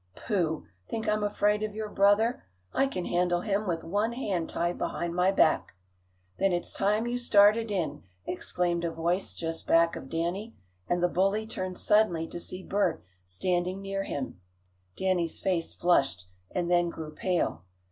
"Pooh! Think I'm afraid of your brother. I can handle him with one hand tied behind my back." "Then it's time you started in!" exclaimed a voice just back of Danny, and the bully turned suddenly to see Bert standing near him, Danny's face flushed, and then grew pale.